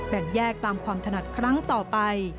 แบ่งแยกตามความถนัดครั้งต่อไป